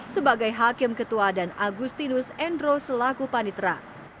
sebagai hakim ketua dan agustinus endro selaku panitra